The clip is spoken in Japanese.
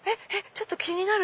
ちょっと気になる。